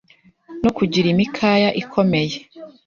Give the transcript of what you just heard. no kugira imikaya ikomeye,